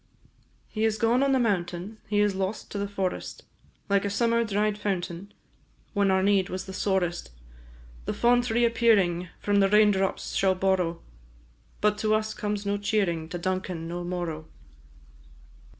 He is gone on the mountain, He is lost to the forest, Like a summer dried fountain, When our need was the sorest. The font re appearing, From the rain drops shall borrow; But to us comes no cheering, To Duncan no morrow!